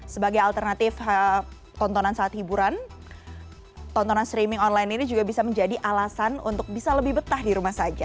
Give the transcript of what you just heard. sebagai alternatif tontonan saat hiburan tontonan streaming online ini juga bisa menjadi alasan untuk bisa lebih betah di rumah saja